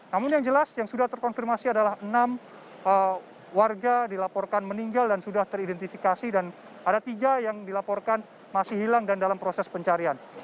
namun yang jelas yang sudah terkonfirmasi adalah enam warga dilaporkan meninggal dan sudah teridentifikasi dan ada tiga yang dilaporkan masih hilang dan dalam proses pencarian